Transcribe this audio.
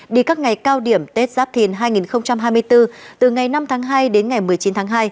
đi các ngày cao điểm tết giáp thìn hai nghìn hai mươi bốn từ ngày năm tháng hai đến ngày một mươi chín tháng hai